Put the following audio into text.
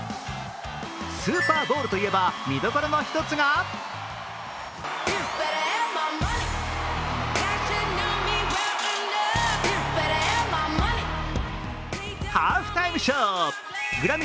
スーパーボウルといえば見どころの一つがハーフタイムショー。